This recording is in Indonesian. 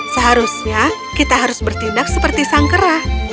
seharusnya kita harus bertindak seperti sang kera